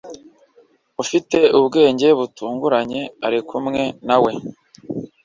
ufite ubwenge butunganye ari kumwe nawe